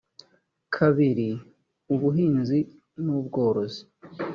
kabiri ubuhinzi n ubworozi